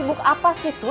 koknya sengit itu